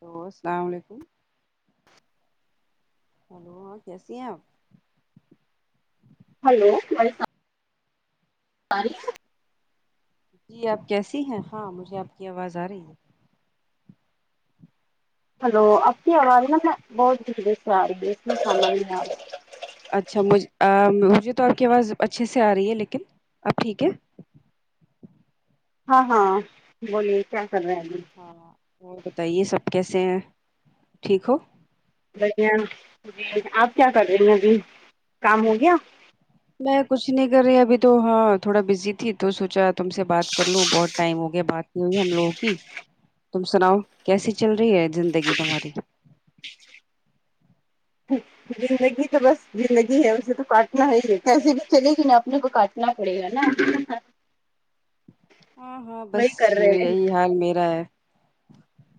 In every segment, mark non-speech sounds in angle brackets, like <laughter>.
Hello السلام علیکم hello کیسی ہیں آپ ہیلو وعلیکم تعریف ہے جی آپ کیسی ہیں ہاں مجھے آپ کی آواز آ رہی ہے ہلو آپ کی آواز نہ میں بہت دردر آرہی ہے اچھا مج آ مجھے تو آپ کی آواز اچھے سے آ رہی ہے لیکن اب ٹھیک ہے ہاں ہاں بولیے کیا کر رہے ہیں ابھی ہاں ہاں اور بتائیے سب کیسے ہیں ٹھیک ہو بڑھیا جی آپ کیا کر رہی ہیں ابھی کام ہو گیا میں کچھ نہیں کر رہی ابھی تو ہاں تھوڑا بزی تھی تو سوچا تم سے بات کر لوں بہت ٹائم ہو گیا بات یہ ہم لوگوں کی تم سناؤ کیسی چل رہی ہے زندگی تمہاری زندگی تو بس زندگی ہے اسے تو کاٹنا ہی ایسے بھی چلے گی نہ اپنے کو کاٹ پوچھنا پڑے گا نہ ہاں ہاں ہاں ہاں بس یہی حال میرا ہے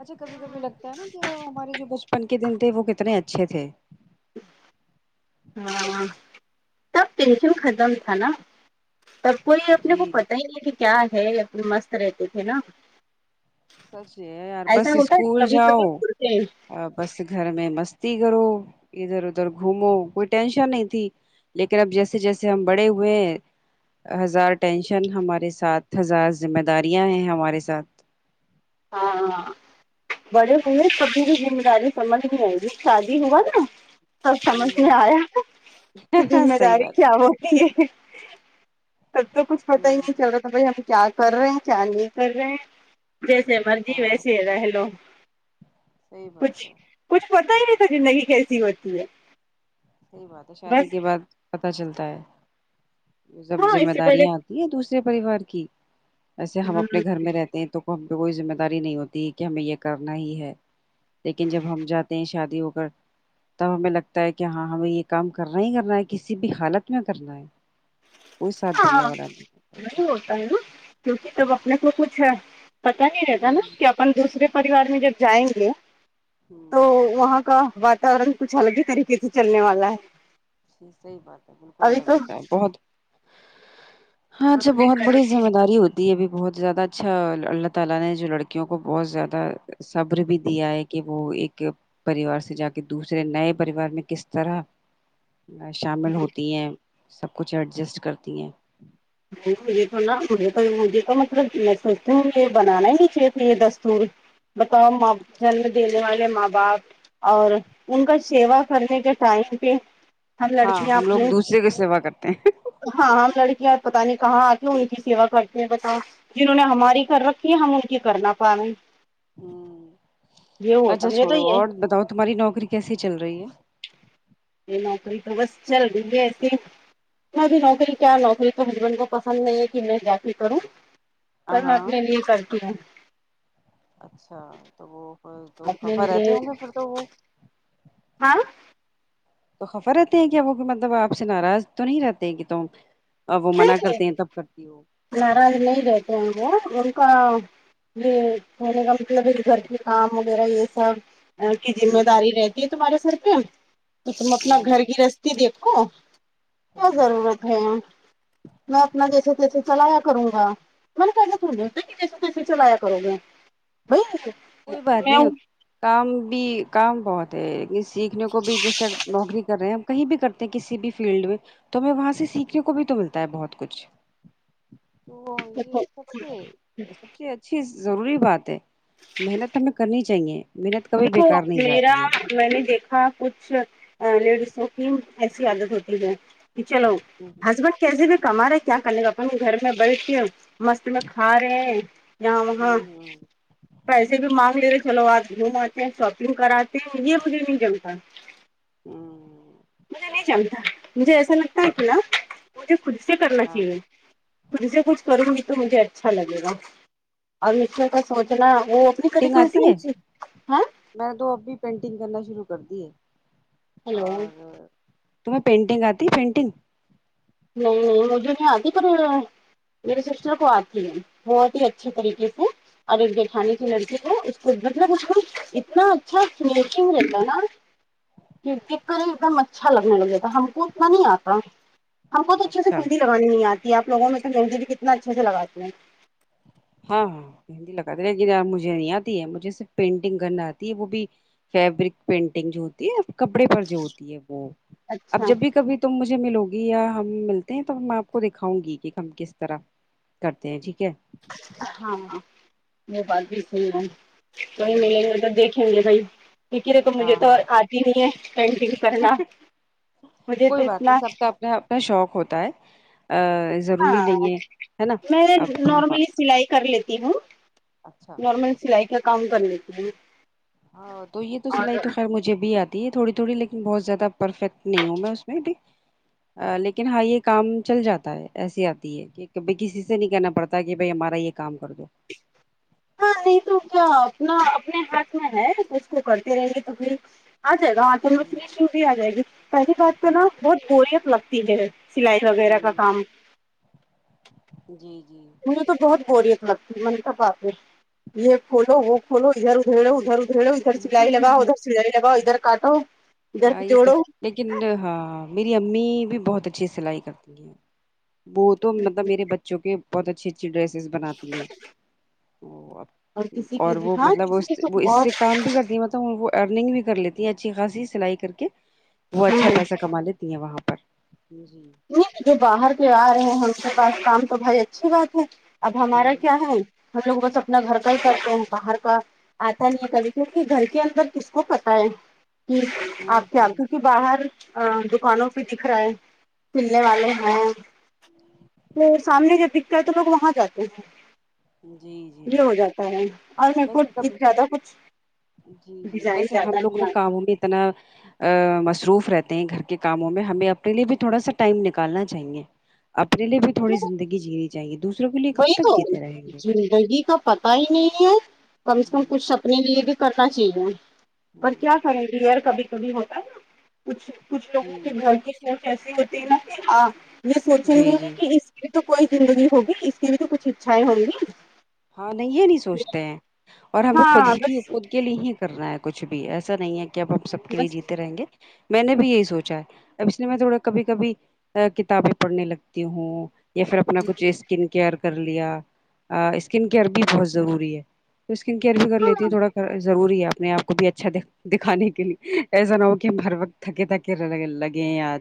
اچھا کبھی کبھی لگتا ہے نا کہ وہ ہمارے جو بچپن کے دن تھے وہ کتنے اچھے تھے ہاں سب ٹینشن ختم تھا نا تب کوئی اپنے کو جی پتہ ہی ہے کہ کیا ہے اپنے مست رہتے تھے نا سچ ہے یار ایسا بس ہوتا ہے اسکول کبھی کبھی جاؤ کرتے ہیں بس گھر میں مستی کرو ادھر ادھر گھومو کوئی ٹینشن نہیں تھی لیکن اب جیسے جیسے ہم بڑے ہوئے ہیں ہزار ٹینشن ہمارے ساتھ ہزار ذمہ داریاں ہیں ہمارے ساتھ ہاں آ بڑے ہوئے کبھی بھی ذمہ داری سمجھ میں ہو شادی ہوا نا سب سمجھ میں آیا کہ ہاں زمہ صحیح داری بات کیا ہوت تب تو کچھ پتا ہی ہوں نہیں چلا بھائی یہ پ کیا کر رہے ہیں کیا نہیں کر رہے ہیں جیسے مرضی ہاں ویسے رہ لو صحیح کچھ بات ہے کچھ پتا ہی نہیں تھا زندگی کیسی ہوتی ہے صحیح بات ہے شادی بس کے بعد پتا چلتا ہے سب ہاں ذمہ اس سے پہلے داریاں آ تی ہے دوسرے پریوار کی ایسے ہم اپنے گھر میں رہتے ہیں تو ہم پہ کوئی ذمہ داری نہیں ہوتی ہے کہ ہمیں یہ کرنا ہی ہے لیکن جب ہم جاتے ہیں شادی ہو کر تب ہمیں لگتا ہے کہ کہ ہاں ہمیں یہ کام کرنا ہی کرنا ہے کسی بھی حالت میں کرنا ہے کوئی ساتھ دینے ہاں والا نہیں ہوتا ہے۔ نہیں ہوتا ہے نا کیونکہ تب اپنے کو کچھ ہے پتا نہیں رہتا نا ہوں کہ اپن دوسرے پریوار میں جب جائیں گے تو ہوں وہاں کا واتورن کچھ الگ ہی طریقے سے چلنے والا ہے جی صحیح بات ہے بالکل ابھی الگ تو ہوتا ہے بہت ہاں چھ اپنے بہت بڑی نہیں، ذمہ داری ہو تی یہ بھی بہت زیادہ اچھا اللہ تعالی نے جو لڑکیوں کو بہت زیادہ صبر بھی دیا ہے کہ وہ ایک پریوار سے جا کے دوسرے نئے پریوار میں کس طرح شامل ہوتی ہیں سب کچھ ایڈجسٹ کرتی ہیں مجھے تو نہا مجھے تو مجھے تو مطلب میں سوچتی ہوں یہ بنانا ہی نہیں چاہیے تھا یہ دستور بتاؤ ماں جنم دینے والے ماں باپ اور ان کا سیوا کرنے کے ٹائم پہ ہم ہاں لڑکیاں ہم لوگ اپنے دوسرے کی سیوا کرتے ہیں ہاں ہم لڑکیاں پتا نہیں کہاں آتی ان کی سیوا کرتے ہیں بتاؤ جنہوں نے ہماری کر رکھ ی ہم ان کی کرنا پا رہے ہیں ہوں یہ ہوتا اچھا مجھے تو چھوڑو یہ اور بتاؤ تمہاری نوکری کیسی چل رہی ہے یہ نوکری تو بس چل دیں گے ایسیےنا بھی نوکری کیا نوکری ہسبینڈ کو پسند نہیں ہے کہ میں جا کے کروں ہاں پر میں ہاں اپنے لیے کرتی ہوں اچھا تو وہ دو اپنے خفا رہتے لیے ہوں گے پھر تو وہ ہاں تو خفا رہتے ہیں کہ وہ مطلب آپ سے ناراض تو نہیں رہتے ہیں کہ تم اور وہ منع ٹھیک ہے کرتے ہیں تب کرتی ہو وہ ناراض نہیں رہتے ہیں وہ ان کا یہ رہنے کا مطلب ایک گھر کے کام وغیرہ یہ سب انکی ہوں ہوں زمیداری رہتی ہے تمہارے سر پہ تو تم اپنا ہوں گھر گرہستی دیکھو کیا ہوں ضرورت ہے میں اپنا جیسے تیسے چلایا کروں گا میں نے کہہ یہ تھوڑی ہوتا ہے کہ جیسے تیسے چلایا کرو گے نہیں کوئی بات نہیں کام بھی کام بہت ہے سیکھنے کو بھی جیسے نوکری کر رہے ہیں کہیں بھی کرتے ہیں کسی بھی فیلڈ میں تو ہمیں وہاں سے سیکھنے کو بھی تو ملتا ہے بہت کچھ تو یہ میں سب سے سب سے اچھی ضروری بات ہے محنت ہمیں کرنی چاہیے محنت کبھی دیکھو بےکار نہیں میرا جاتی ہے میں نے دیکھا کچھ لیڑیسوں کی ایسی عادت ہوتی ہے چلو ہسبینڈ کیسے بھی کما رہا کیا کرنے کا اپنے گھر میں بیٹھ کے مست میں کھا رہے ہے یہاں وہاں ہاں پیسے بھی مانگ لے رہے چلو آج گھوم آتے ہیں شاپنگ کراتے ہیں یہ مجھے نہیں جمتا ہوں مجھے نہیں جمتا مجھے ایسا لگتا ہے کہ نا مجھے خود سے کرنا چاہیے ہاں مھ سے کچھ کروں گی تو مجھے اچھا لگے گا اور <unintelligible> مچے کا سوچنا وہ اپنی <unintelligible> کریھی ٹنگ ک آتی ہے سائے ہاں میں نے تو اب بھی پینٹنگ کرنا شروع کر دی ہے ہیلو نہیں اور تمہیں پینٹنگ آتی پینٹنگ نہیں نہیں مجھے نہیں اتی پر میرے سسٹر کو اتی ہے بہت ہی اچھے طریقے سے اور ایک جیٹھانی کی اچھا لڑکی اس مطلب اس کو اتنا اچھا فنشنگ رہتا ہے نا دیکھ کرے ایک دم اچھا لگنے لگے تھا ہم کو اتنا نہیں اتا ہم کو تو اچھے اچھا مہندی لگانی نہیں اتی آپ لوگوں تو مہندی بھی کتنا اچھے سے لگاتے ہیں ہاں ہاں مہندی لگاتی رہے مجھے نہیں اتی ہے مجھے صرف پینٹنگ کرنا اتی ہے وہ بھی فیبرک پینٹنگ جو ہوتی ہے کپڑے پر جو ہوتی ہے وہ اب اچھا جب بھی کبھی تم مجھے ملو گی یا ہم ملتے ہیں تو میں اپ کو دکھاؤں گی کہ ہم کس طرح کرتے ہیں ٹھیک ہے ہاں وہ بات بھی صحیح ہے کہی ملے ہوں گے تو دیکھیں گے بھائی یک رے تو مجھے ہاں تو ہاں اتی نہیں ہے پینٹنگ کرنا مجھے تو کوئی بات اتنا نہیں سب کا اپنا اپنا شوق ہوتا ہے ہاں ضروری نہیں ہے ہے نا میں اب تم نارملی سلائی کر لیتی ہوں اچھا نارمل سلائی کا کام کر لیتی ہوں ہاں تو یہ تو اور سلائی تو خیر مجھے بھی ات تھوڑی تھوڑی لیکن بہت زیادہ پرفیکٹ نہیں ہوں میں اس میں بھی لیکن ہاں یہ کام چل جاتا ہے ایسی اتی ہے کہ کبھی کسی سے نہیں کہنا پڑتا کہ بھائی ہمارا یہ کام کر دو ہاں نہیں تو کیا اپنا اپنے ہاتھ میں ہے اس کو کرتے رہیے تو پھر اجائے گا ہاںچل میں اجائے گی پہلی بات تو نا بہت بوریت لگتی ہے سلائی وغیرہ کا کام جی جی مجھے تو بہت بوریت لگتی میں نے کہا باپرے یہ کھولو وہ کھولو ادھر ادھیڑو ادھر ادھریڑو ادھر سلائی لاگاو ادھر سلائی لاگاو ادھر کاٹو ہاں یہ تو جوڑو لیکن ہاں میری امی بھی بہت اچھی سلائی کرتی ہیں بوت تو مطلب میرے بچوں کے بہت اچھی اچھی ڈریسز بناتی ہیں اور کسی کی اور وہ ہاں مطلب کسی کی تو وہ اس سے بہت کام بھی کرتی مت وہ ارننگ بھی کر لیتی ہیں اچھی خاصی سلائی کر کے وہ اچھا ہوں پیسہ کما لیتی ہیں وہاں پر جی نہیں جو باہر کے آرہے ہیں ہم کے پاس کام تو بھائی اچھی بات ہے اب ہ ہمارا کیا ہے ہم لوگ بس اپنا گھر کا ہی کرتے ہیں باہر کا آتا نہیں ہے کبھی کے گھر کے اندر کس کو پتا ہے کہ آپ کے ہ ہ آنکھوں کی باہر آ دکانوں پہ دکھ رہا ہے کلنے والے ہیں وہ سامنے جب دکھتا ہے تو لوگ وہاں جاتے ہیں جی جی یہ ہو جاتا اور میرے کو ویسے کب زیادہ کچھ جی جی ڈیزائن ویسے ہم زیادہ لوگ نہ نہیں کاموں میں اتنا آ مصروف رہتے ہیں گھر کے کاموں میں ہمیں اپنے لیے بھی تھوڑا سا ٹائم نکالنا چاہیے اپنے لیے بھی تھوڑی آتی زندگی جینی چاہیے دوسروں کے لیے کب تک جیتے رہیں گے ڈیڈی کو پتا ہی نہیں ہے کم سے کم کچھ اپنے لیے بھی کرنا چاہیے پر کیا کریں گے یار کبھی کبھی ہوتا ہے نہ کچھ کچھ جی لوگوں کے گھر کی سوچ ایسی ہوتی ہے نا کہ ہاں یہ سوچیے جی گے جی کہ اس یہ تو کوئی زندگی ہوگی اس کی بھی تو کچھ اچھائیں ہوں گی ہاں نہیں یہ نہیں سوچتے ہیں اور ہم لوگ خود ہاں ہی کی بس خود کے لیے ہی کرنا ہے کچھ بھی ایسا نہیں ہے کہ اب ہم سب کے لیے بس جیتے رہیں گے میں نے بھی یہی سوچا ہے اب اس لئے میں تھوڑا کبھی کبھی ا کتابیں پڑھنے لگتی ہوں یا پھر اپنا کچھ اسکن کیئر کر لیا اسکن کیئر بھی بہت ضروری ہے تو اسکن کیئر بھی کر لیتی ہاں تھوڑا ضروری ہے اپنے آپ کو بھی اچھا دیکھ دکھانے کے لیے ایسا نہ ہو کہ ہم ہر وقت تھکے تھکے لگے یار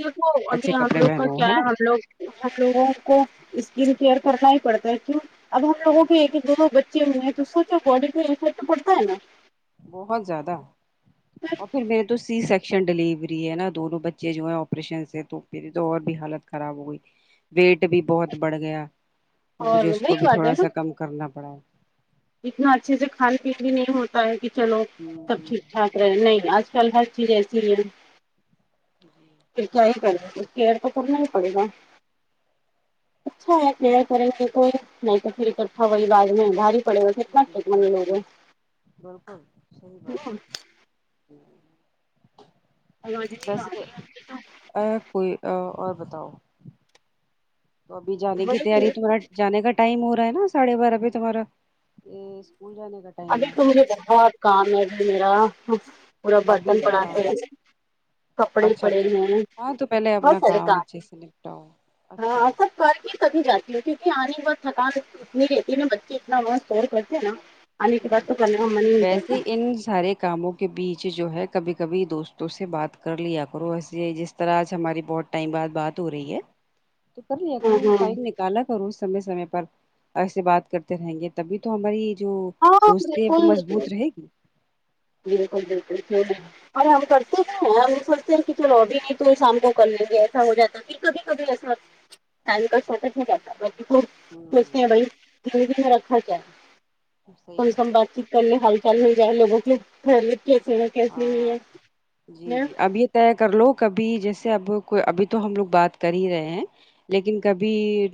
دیکھو ابھی آپ لوگ کا کیا ہے ہم لوگ ہم لوگوں کو اسکن کیئر کرنا ہی پڑتا ہے کیوں اب ہم لوگوں کے ایک ایک دونوں بچے میں ہیں تو سوچو باڈی پہ افیکٹ پڑتا ہے نا بہت زیادہ اور پھر میرے تو سی سک شن ڈیلیوری ہے نا دونوں بچے جو ہیں آپریشن سے تو پھر اور بھی حالت خراب ہو گئی ویٹ بھی بہت بڑھ گیا تو مجھے اور اس کو وہی بھی بات ہے تھوڑا نا سا کم کرنا پڑا اتنا اچھے سے کھان پین بھی نہیں ہوتا ہے کہ چلو ہوں، سب ٹھیک ٹھاک رہے نہیں آج کل ہر چیز ایسی ہے کیا ہی کر رہ کیئر تو کرنا ہی پڑے گا اچھا ہے نا کریں گے کوئی نہیں تو <unintelligible> فک تھا وہی بع میںدھار پڑےنا س جی ل <unintelligible> وہی بس ا کوئی او اور بتاؤ تو ابھی جانے کی تیاری تھوڑا جانے کا ٹائم ہو رہا ہے نا ساڑھے بارہ بجے تمہارا اسکول جانے کا ٹائم ابھی ہے تو مجھے بہت کام ہے ابھی میرا پورا ابھی برتن ہاں پڑا کے کپڑے اچھا پڑے اچھا ہے ہاں تو پہلے بہت اپنا سارے کام اچھے سے نپٹاؤ اچھا ہے کر کے کبھی جاتی ہے کیونکہ آنے بعد تھکان اتنی رہتی ہے نا بچے اتنا وہاں شور کرتے ہیں نا آنے کے بعد تو کرنے کا من ہی نہیں ویسے کرتا ان سارے کاموں کے بیچ جو ہے کبھی کبھی دوستوں سے بات کر لیا کرو ایسے جیسے اور آج ہماری بہت ٹائم بعد بات ہو رہی ہے توہ کر لیا کرو ہاں ٹائم نیک کالا کرو سمے سمے پر ایسے بات کرتے رہیں گے تبھی تو ہماری جو ہاں ہاں دوستی ہے تو بالکل مضبوط رہے گی بالکل بالکل صحیح فرما اور ہم کرتے بھی ہیں ہم سوچتے ہیں کہ چلو ابھی بھی تو شام کو کر لیں گے ایسا ہو جاتا پھر کبھی کبھی ایسا ٹائم کا شارٹڈ ہو جاتا ہے ہم لوگو کو ہوں بھائی میں رکھا کیا صحیح کم سے بات کم باقی کرنے حال چال مل جائے لوگوں کی لی خریت کیسے ہے کیسے نہیں ہے تے کر لوگ کبھی جیسے اب کو ابھی تو ہم لوگ بات کر ہی رہے ہیں لیکن کبھی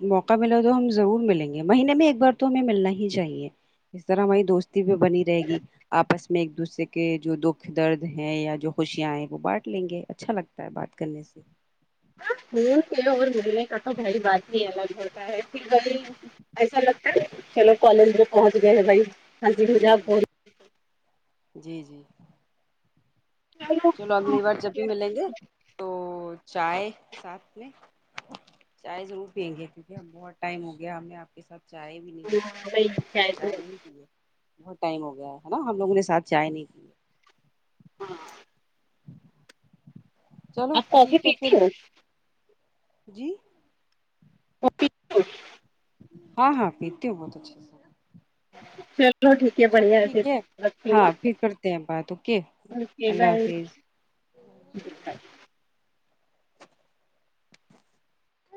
موقع ملا تو ہم ضرور ملیں گے مہینے میں ایک بار تو ہمیں ملنا ہی چاہیے اس طرح ہماری دوستی بھی بنی رہے گی آپس میں ایک دوسرے کے جو دو درد ہے یا جو خوشیاں ہیں وہ بانٹ لیں گے اچھا لگتا ہے بات کرنے سے ہم سے اور ملنے کا تو بھائی بات ہی الگ ہوتا ہے پھر بی ایسا لگتا چلو کالج میں پہنچ گئے ہیں بھائی حاضر ہو ہوں ہوں جاؤ جی جی <unintelligible> چالوں اگلی بار جب بھی ملیں گے تو چائے ساتھ میں چائے ضرور پییں گے کیونکہ ہم بہت ٹائم ہو گیا ہمیں آپ کے ساتھ چائے بھی نہیں بھائی ہوتی کیا ہے تو چائے نہیں پی ہے بہت ٹائم ہو گیا ہے نا ہم لوگوں نے ساتھ چائے نہیں کی ہاں چلو آپ کافی ٹھیک ہے پھر پیتی ہو جی کافی ہاں ہاں پیتی ہوں بہت اچھے سے سر چلو ٹھیک ہے چلو بڑھیاہے پھر ٹھیک ہے اوکے نا ہاں پھر کرتے ہیں بات اوکے اوکے اللہ بائے حافظ جی تھی